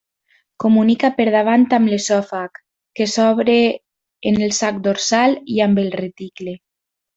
Comunica per davant amb l'esòfag, que s'obre en el sac dorsal, i amb el reticle.